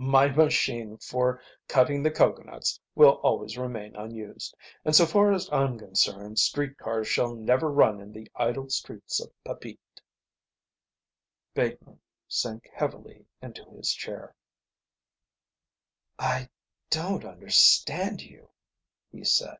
"My machine for cutting the coconuts will always remain unused, and so far as I'm concerned street cars shall never run in the idle streets of Papeete." Bateman sank heavily into his chair. "I don't understand you," he said.